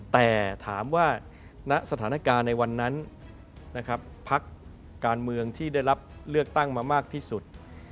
แต่ถามว่าณสถานการณ์ในวันนั้นนะครับพักการเมืองที่ได้รับเลือกตั้งมามากที่สุด